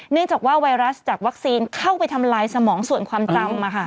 เนื่องจากว่าไวรัสจากวัคซีนเข้าไปทำลายสมองส่วนความจำ